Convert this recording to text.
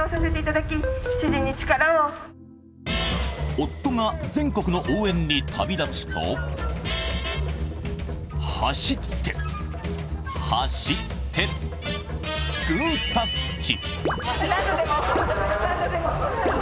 夫が全国の応援に旅立つと走って、走って、グータッチ。